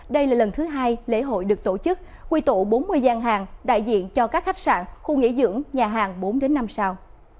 đây là lần thứ hai lễ hội được tổ chức quy tụ bốn mươi gian hàng đại diện cho các khách sạn khu nghỉ dưỡng nhà hàng bốn năm sao